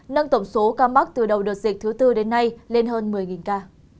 nâng tổng số ca mắc từ đầu đợt dịch thứ tư đến nay lên hơn một mươi ca